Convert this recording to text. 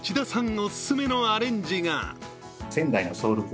オススメのアレンジが。